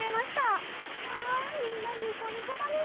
わみんなニコニコだね！